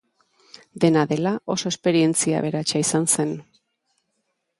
Dena dela, oso esperientzia aberatsa izan zen.